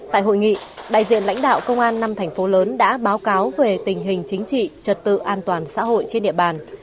tại hội nghị đại diện lãnh đạo công an năm thành phố lớn đã báo cáo về tình hình chính trị trật tự an toàn xã hội trên địa bàn